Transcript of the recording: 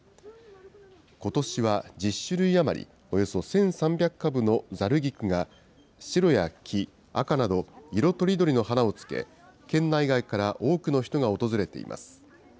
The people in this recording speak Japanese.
ことしは１０種類余り、およそ１３００株のざる菊が、白や黄、赤など、色とりどりの花をつけ、県内外から多くの人が訪れています。